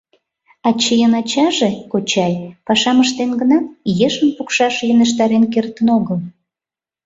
Ачийын ачаже — кочай — пашам ыштен гынат, ешым пукшаш йӧнештарен кертын огыл.